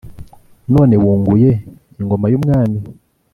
none wunguye ingoma y'umwami